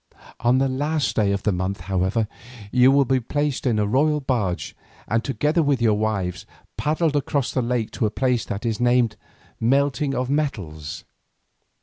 On the last day of the month, however, you will be placed in a royal barge and together with your wives, paddled across the lake to a place that is named 'Melting of Metals.